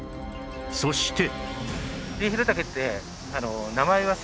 そして